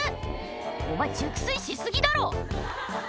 「お前熟睡し過ぎだろ！」